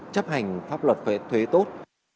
chấp hành pháp luật thuế tốt